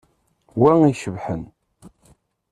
Wa i icebḥen.